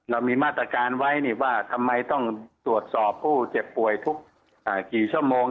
เรามีมาตรการไว้ว่าทำไมต้องตรวจสอบผู้เจ็บป่วยทุกกี่ชั่วโมง